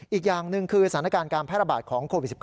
อีกอย่างหนึ่งคือสถานการณ์การแพร่ระบาดของโควิด๑๙